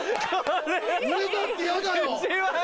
俺だってヤダよ！